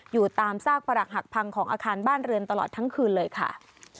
อยู่ตามซากประหลักหักพังของอาคารบ้านเรือนตลอดทั้งคืนเลยค่ะ